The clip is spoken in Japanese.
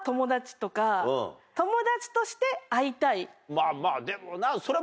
まぁまぁでもなそれは。